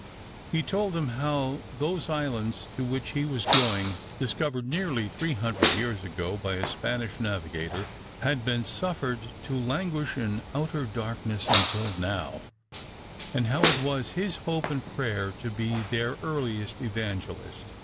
He told them how those islands to which he was going, discovered nearly three hundred years ago by a Spanish navigator,, had been suffered to languish in outer darkness until now, and how it was his hope and prayer to be their earliest evangelist.